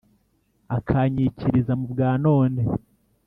akanyikiriza mu bwa none